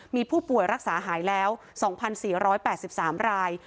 มีผู้ป่วยรักษาหายแล้ว๒๔๘๓ราย